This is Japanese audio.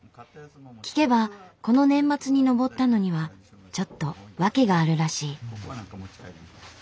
聞けばこの年末に登ったのにはちょっと訳があるらしい。